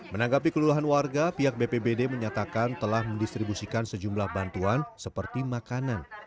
menanggapi keluhan warga pihak bpbd menyatakan telah mendistribusikan sejumlah bantuan seperti makanan